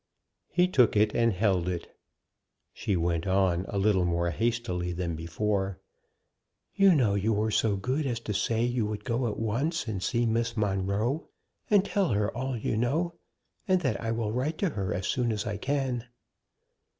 He took it, and held it; she went on, a little more hastily than before: "You know you were so good as to say you would go at once and see Miss Monro, and tell her all you know, and that I will write to her as soon as I can."